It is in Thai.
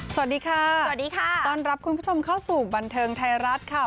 สวัสดีค่ะสวัสดีค่ะต้อนรับคุณผู้ชมเข้าสู่บันเทิงไทยรัฐค่ะ